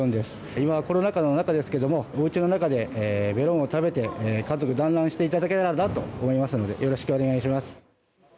今、コロナ禍の中ですけどおうちの中でメロンを食べて家族だんらんしていただけたらなと思いますのでよろしくお願いします。